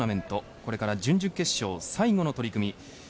これから準々決勝最後の取組。